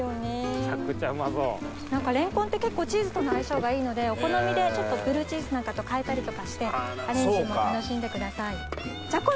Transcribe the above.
レンコンって結構チーズとの相性がいいのでお好みでブルーチーズなんかと変えたりとかしてアレンジも楽しんでください。